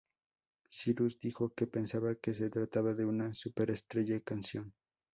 Cyrus dijo que pensaba que se trataba de una "superestrella" canción.